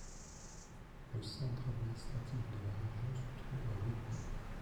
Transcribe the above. Le centre administratif de la région se trouve à Whitby.